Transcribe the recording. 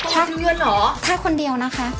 ตรงนี้เยอะหรอถ้าคนเดียวนะคะ